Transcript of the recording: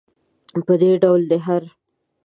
په دې ډول دی هر.